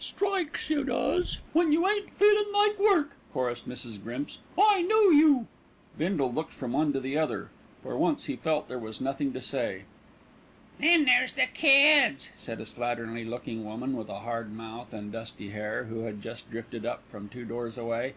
"Strikes you does, when you ain't feeling like work," chorused Mrs. Grimps, "I know you." Bindle looked from one to the other. For once he felt there was nothing to say. "Then there's the kids," said a slatternly looking woman with a hard mouth and dusty hair, who had just drifted up from two doors away.